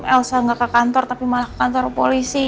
elsa nggak ke kantor tapi malah ke kantor polisi